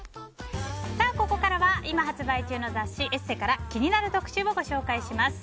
ここからは今発売中の雑誌「ＥＳＳＥ」から気になる特集をご紹介します。